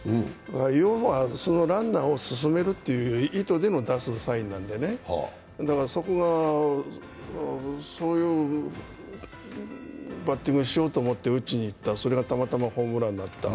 要は、そのランナーを進めるという意図で出すサインなんでね、そういうバッティングをしようと思って打ちにいった、それがたまたまホームランになった。